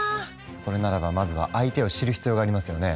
それならばまずは相手を知る必要がありますよね！